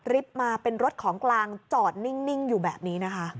มาเป็นรถของกลางจอดนิ่งอยู่แบบนี้นะคะ